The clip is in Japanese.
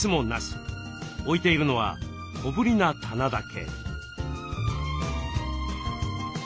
置いているのは小ぶりな棚だけ。